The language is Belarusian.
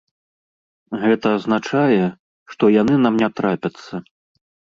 Гэта азначае, што яны нам не трапяцца.